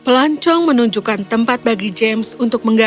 pelancong menunjukkan tempat bagi james untuk menggantikan